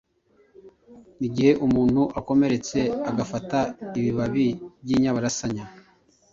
igihe umuntu akomeretse agafata ibibabi by’inyabarasanya,